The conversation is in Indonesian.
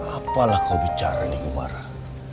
apalah kau bicara nih gumarah